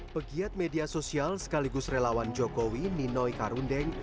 pegiat media sosial sekaligus relawan jokowi ninoi karundeng